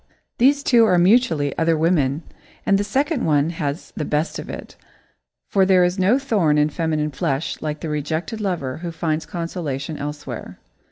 These two are mutually "other women," and the second one has the best of it, for there is no thorn in feminine flesh like the rejected lover who finds consolation elsewhere.